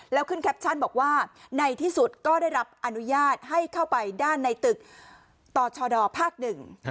แล้วขึ้นแคปชั่นบอกว่าในที่สุดก็ได้รับอนุญาตให้เข้าไปด้านในตึกต่อชดภาคหนึ่ง